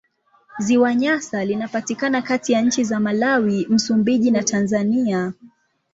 Ziwa Nyasa linapatikana kati ya nchi za Malawi, Msumbiji na Tanzania.